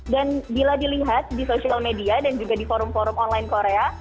dan bila dilihat di social media dan juga di forum forum online korea